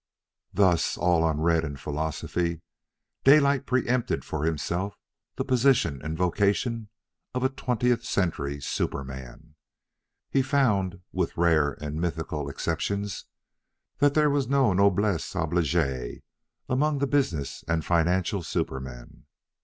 Thus, all unread in philosophy, Daylight preempted for himself the position and vocation of a twentieth century superman. He found, with rare and mythical exceptions, that there was no noblesse oblige among the business and financial supermen.